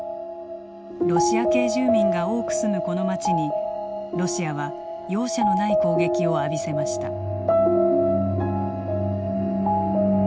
ロシア系住民が多く住むこの街にロシアは容赦のない攻撃を浴びせました。